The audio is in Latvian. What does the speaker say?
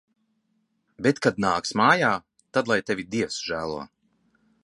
Bet kad nāks mājā, tad lai tevi Dievs žēlo.